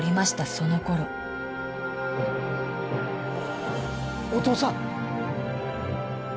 その頃お父さん！